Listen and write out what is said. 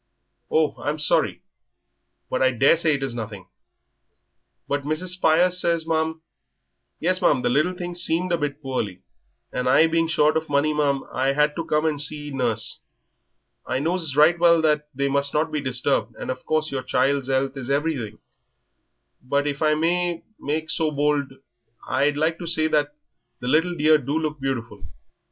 "Oh, I'm sorry. But I daresay it is nothing." "But Mrs. Spires says, ma'am " "Yes, ma'am, the little thing seemed a bit poorly, and I being short of money, ma'am, I had to come and see nurse. I knows right well that they must not be disturbed, and of course your child's 'ealth is everything; but if I may make so bold I'd like to say that the little dear do look beautiful.